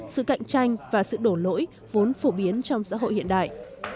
sự cạnh tranh và sự đổ lỗi vốn phổ biến trong xã hội hiện đại